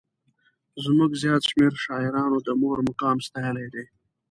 زموږ زیات شمېر شاعرانو د مور مقام ستایلی دی.